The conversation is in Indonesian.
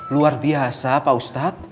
luar biasa pak ustad